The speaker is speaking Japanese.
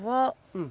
うん。